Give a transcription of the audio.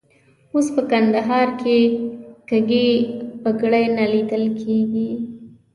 اوس په کندهار کې کږې بګړۍ نه لیدل کېږي.